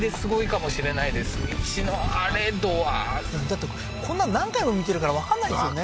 だってこんなん何回も見てるからわかんないですよね